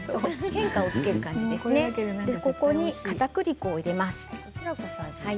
ここに、かたくり粉を入れます。